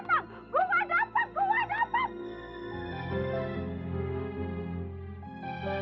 takut nanti kalau ada apa apa ya